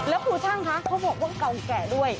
แล้วครูช่างคะเขาบอกว่าเก่าแก่ด้วย